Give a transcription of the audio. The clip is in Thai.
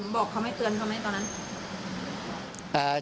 บอกเขาไม่เตือนเขาไหมตอนนั้น